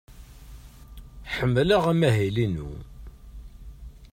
Ḥemmleɣ amahil-inu.